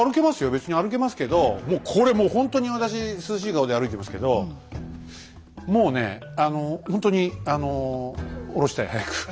別に歩けますけどもうこれもうほんとに私涼しい顔で歩いてますけどもうねあのほんとにあの下ろしたい早く。